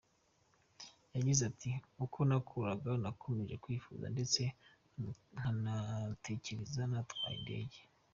Yagize ati “Uko nakuraga nakomeje kwifuza ndetse nkanatekereza natwaye indege.